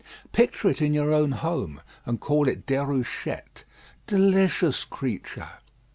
Picture it in your own home, and call it Déruchette. Delicious creature!